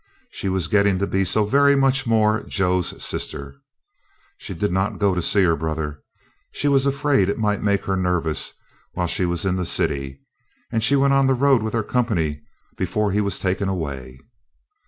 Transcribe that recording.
She was getting to be so very much more Joe's sister. She did not go to see her brother. She was afraid it might make her nervous while she was in the city, and she went on the road with her company before he was taken away.